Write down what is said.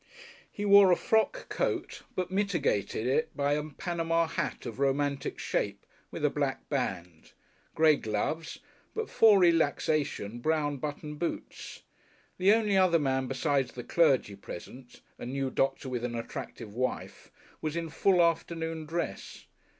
He wore a frock coat, but mitigated it by a Panama hat of romantic shape with a black band, grey gloves, but for relaxation brown button boots. The only other man besides the clergy present, a new doctor with an attractive wife, was in full afternoon dress.